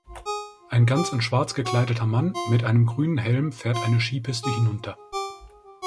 Ein ganz in Schwarz gekleideter Mann mit einem grünen Helm fährt eine Skipiste hinunter.